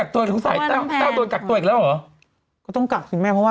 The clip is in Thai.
แต้วก็ต้องกักตัวอีกแล้วเหรอ